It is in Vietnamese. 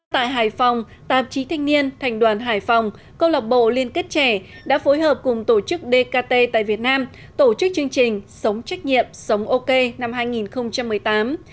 tại hải phòng tạp chí thanh niên thành đoàn hải phòng công lộc bộ liên kết trẻ đã phối hợp cùng tổ chức dkt tại việt nam tổ chức chương trình sống trách nhiệm sống ok năm hai nghìn một mươi tám